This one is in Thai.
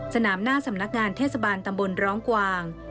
สนามหน้าสำนักงานเทศบาลตำบลร้องกวาง